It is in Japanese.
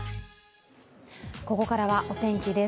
ここからはお天気です。